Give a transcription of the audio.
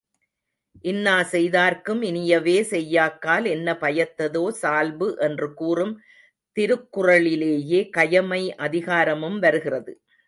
இன்னாசெய் தார்க்கும் இனியவே செய்யாக்கால் என்ன பயத்ததோ சால்பு என்று கூறும் திருக்குறளிலேயே கயமை அதிகாரமும் வருகிறது.